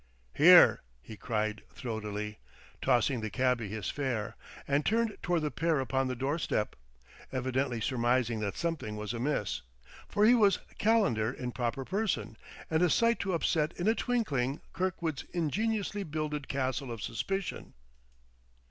"Here!" he cried throatily, tossing the cabby his fare, and turned toward the pair upon the doorstep, evidently surmising that something was amiss. For he was Calendar in proper person, and a sight to upset in a twinkling Kirkwood's ingeniously builded castle of suspicion.